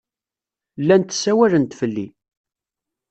Llant ssawalent fell-i.